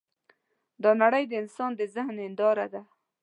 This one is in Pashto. دا نړۍ د انسان د ذهن هینداره ده.